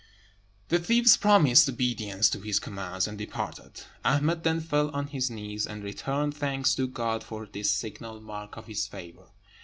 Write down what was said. The thieves promised obedience to his commands and departed. Ahmed then fell on his knees, and returned thanks to God for this signal mark of his favour.